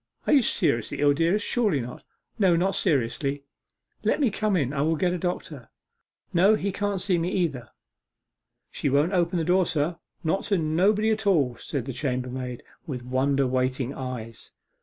'Are you seriously ill, dearest? Surely not.' 'No, not seriously.' 'Let me come in; I will get a doctor.' 'No, he can't see me either.' 'She won't open the door, sir, not to nobody at all!' said the chambermaid, with wonder waiting eyes.